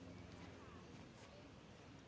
สวัสดีครับทุกคน